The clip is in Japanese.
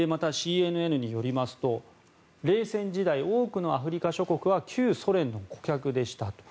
また、ＣＮＮによりますと冷戦時代、多くのアフリカ諸国は旧ソ連の顧客でしたと。